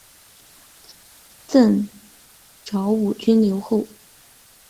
赠昭武军留后。